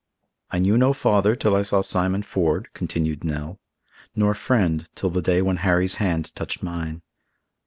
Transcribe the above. "I knew no father till I saw Simon Ford," continued Nell; "nor friend till the day when Harry's hand touched mine.